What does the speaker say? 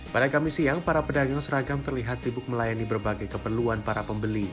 pada kamis siang para pedagang seragam terlihat sibuk melayani berbagai keperluan para pembeli